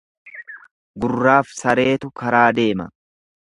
Gurraaf sareetu karaa deema.